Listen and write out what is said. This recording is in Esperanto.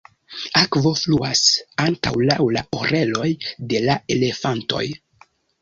Akvo fluas ankaŭ laŭ la oreloj de la elefantoj.